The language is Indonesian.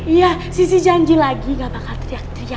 iya sisi janji lagi gak bakal teriak teriak